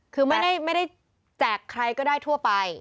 คือไม่ได้แจกใครก็ได้ทั่วไป